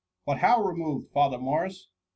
*• But how removed, Father Morris ?